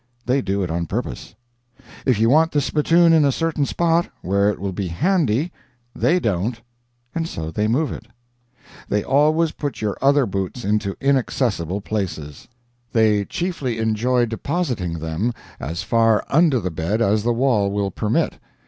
They do it on purpose. If you want the spittoon in a certain spot, where it will be handy, they don't, and so they move it. They always put your other boots into inaccessible places. They chiefly enjoy depositing them as far under the bed as the wall will permit.